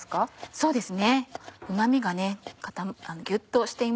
そうですね